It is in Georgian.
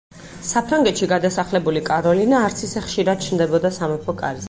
საფრანგეთში გადასახლებული კაროლინა არც ისე ხშირად ჩნდებოდა სამეფო კარზე.